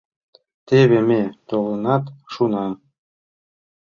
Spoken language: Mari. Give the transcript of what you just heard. — Теве ме толынат шуна.